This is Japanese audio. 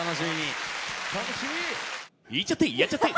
いっちゃってやっちゃって。